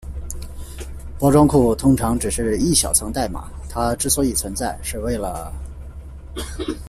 包装库通常只是一小层代码，它之所以存在，是为了：